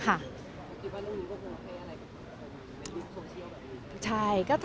คิดว่าเรื่องนี้ก็คงโอเคอะไรกับคนในโลกโซเชียลแบบนี้